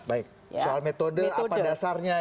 baik soal metode apa dasarnya